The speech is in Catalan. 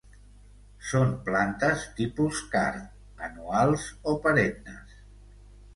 Són plantes tipus card, anuals o perennes.